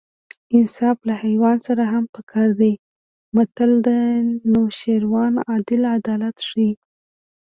انصاف له حیوان سره هم په کار دی متل د نوشیروان عادل عدالت ښيي